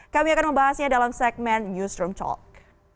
kami akan membahasnya dalam segmen newsroom talk